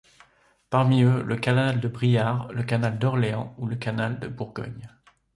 Parmi eux le canal de Briare, le canal d'Orléans ou le Canal de Bourgogne.